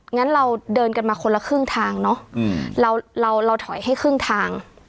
งั้นเราเดินกันมาคนละครึ่งทางเนอะเราเราถอยให้ครึ่งทาง